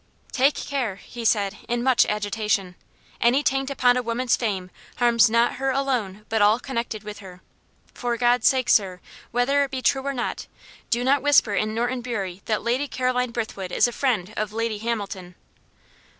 "Take care," he said, in much agitation. "Any taint upon a woman's fame harms not her alone but all connected with her. For God's sake, sir, whether it be true or not, do not whisper in Norton Bury that Lady Caroline Brithwood is a friend of Lady Hamilton."